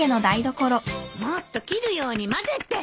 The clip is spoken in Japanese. もっと切るようにまぜて！